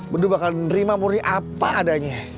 beduh bakal nerima murni apa adanya